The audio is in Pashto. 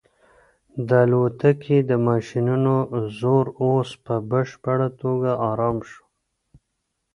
د الوتکې د ماشینونو زور اوس په بشپړه توګه ارام شو.